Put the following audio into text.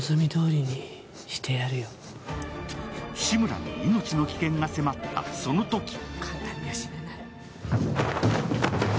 志村に命の危険が迫ったそのとき。